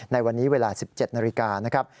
ในวันนี้เวลา๑๗นาฬิกานะครับ